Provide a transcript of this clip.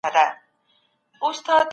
دا دروازه په لرګیو جوړه سوې ده.